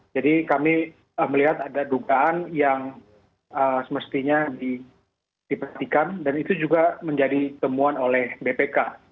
jadi kami melihat ada dugaan yang semestinya dipetikan dan itu juga menjadi temuan oleh bpk